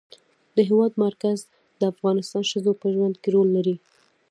د هېواد مرکز د افغان ښځو په ژوند کې رول لري.